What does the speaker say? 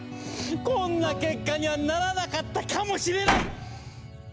こんな結果にはならなかったかもしれない！